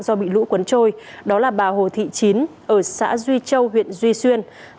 do bị lũ cuốn trôi đó là bà hồ thị chín ở xã duy châu huyện duy xuyên